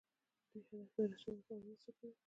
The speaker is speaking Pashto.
دوی هدف ته د رسیدو لپاره مرسته کوي.